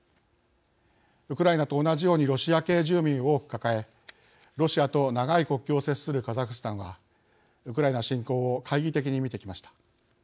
ウクライナと同じようにロシア系住民を多く抱えロシアと長い国境を接するカザフスタンはウクライナ侵攻を懐疑的に見てきました。